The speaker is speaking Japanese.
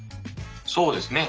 そうですね。